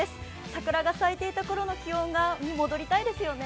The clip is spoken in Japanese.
桜が咲いていたころの気温に戻りたいですよね。